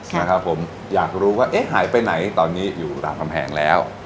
นะครับผมอยากรู้ว่าเอ๊ะหายไปไหนตอนนี้อยู่รามคำแหงแล้ว